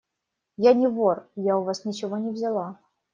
– Я не вор! Я у вас ничего не взяла.